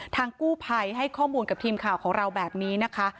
ทางกู้ภัยให้ข้อมูลกับทีมข่าวของเราแบบนี้นะคะ